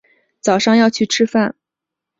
早上要去吃饭